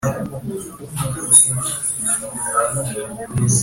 Ubuse mbyanditseho haricyo wabihinduraho